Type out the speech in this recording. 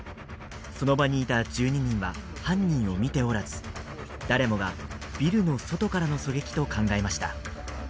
その場にいた１２人は犯人を見ておらず、誰もがビルの外からの狙撃と考えました。